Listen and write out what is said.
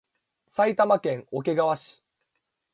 埼玉県桶川市